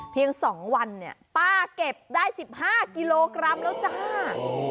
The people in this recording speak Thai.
๒วันเนี่ยป้าเก็บได้๑๕กิโลกรัมแล้วจ้า